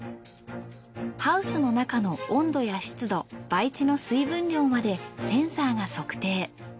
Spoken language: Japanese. ハウスの中の温度や湿度培地の水分量までセンサーが測定。